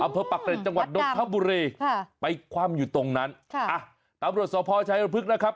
อัมเภอปรักษณ์จังหวัดดงคบุรีไปคว่ำอยู่ตรงนั้นอ่ะตำรวจสพพฤพฤกษ์นะครับ